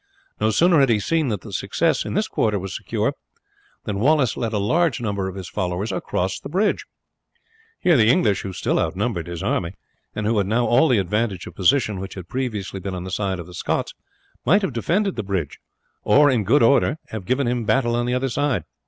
No sooner had he seen that the success in this quarter was secure than Wallace led a large number of his followers across the bridge. Here the English, who still outnumbered his army, and who had now all the advantage of position which had previously been on the side of the Scots, might have defended the bridge, or in good order have given him battle on the other side.